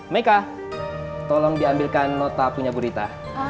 meka tolong diambilkan nota punya burita